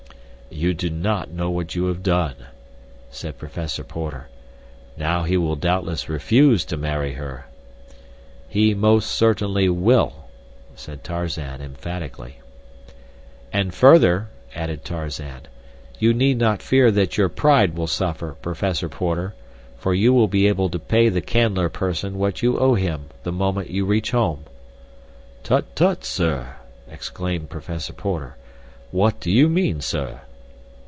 "You do not know what you have done," said Professor Porter. "Now he will doubtless refuse to marry her." "He most certainly will," said Tarzan, emphatically. "And further," added Tarzan, "you need not fear that your pride will suffer, Professor Porter, for you will be able to pay the Canler person what you owe him the moment you reach home." "Tut, tut, sir!" exclaimed Professor Porter. "What do you mean, sir?"